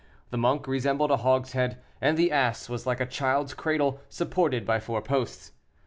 The monk resembled a hogshead; and the ass was like a child's cradle, supported by four posts.